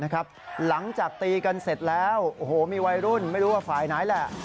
หลังจากตีกันเสร็จแล้วโอ้โหมีวัยรุ่นไม่รู้ว่าฝ่ายไหนแหละ